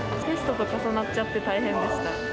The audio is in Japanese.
テストと重なっちゃって大変でした。